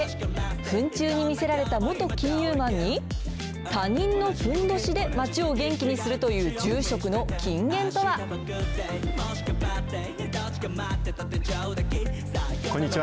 フン虫に魅せられた元金融マンに、他人のふんどしで街を元気にするという住職の金言とは。こんにちは。